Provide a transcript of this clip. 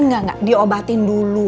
enggak enggak diobatin dulu